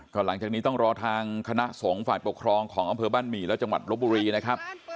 ก็หลังจากนี้ต้องรอทางคณะสงฆ์ฝ่ายปกครองของอำเภอบ้านหมี่และจังหวัดลบบุรีนะครับ